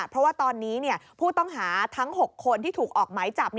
เพราะว่าตอนนี้ผู้ต้องหาทั้ง๖คนที่ถูกออกหมายจับ